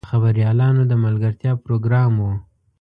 د خبریالانو د ملګرتیا پروګرام و.